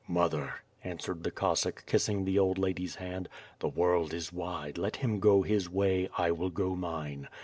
"Mother," answered the Cossack, kissing the old lady's hand, "the world is wide, let him go his way, I will go mine.